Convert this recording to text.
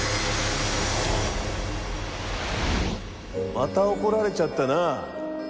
また怒られちゃったな。